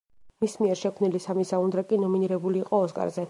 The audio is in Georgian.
მის მიერ შექმნილი სამი საუნდტრეკი ნომინირებული იყო ოსკარზე.